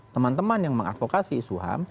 teman teman yang mengadvokasi isu ham